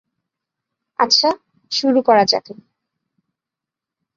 আচ্ছা, শুরু করা যাক এবার!